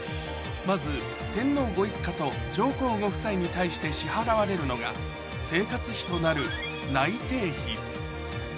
まず天皇ご一家と上皇ご夫妻に対して支払われるのが生活費となる内廷費